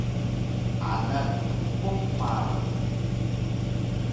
ana tpung paru